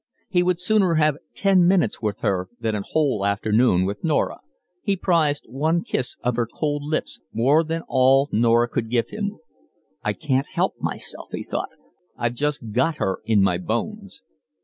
He would sooner have ten minutes with her than a whole afternoon with Norah, he prized one kiss of her cold lips more than all Norah could give him. "I can't help myself," he thought. "I've just got her in my bones."